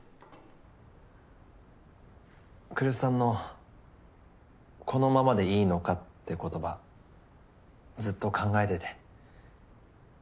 来栖さんのこのままでいいのかって言葉ずっと考えてて。